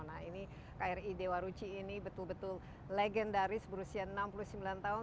nah ini kri dewa ruci ini betul betul legendaris berusia enam puluh sembilan tahun